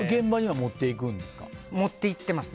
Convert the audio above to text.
持っていってますね。